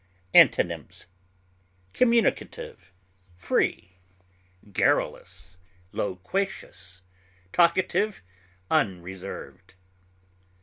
Antonyms: communicative, free, garrulous, loquacious, talkative, unreserved.